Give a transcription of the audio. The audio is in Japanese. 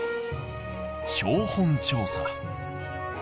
「標本調査」。